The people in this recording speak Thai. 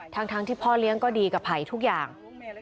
ทั้งที่พ่อเลี้ยงก็ดีกับไผ่ทุกอย่าง